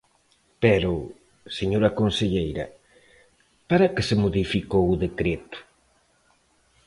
Pero, señora conselleira, ¿para que se modificou o decreto?